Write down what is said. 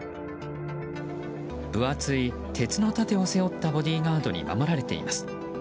分厚い鉄の盾を背負ったボディーガードに守られています。